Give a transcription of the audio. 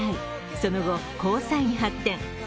その後、交際に発展。